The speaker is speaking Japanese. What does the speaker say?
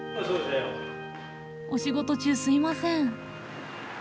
お仕事中すいません。